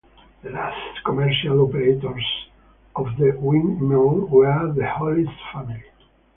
The last commercial operators of the windmill were the Hoyles family.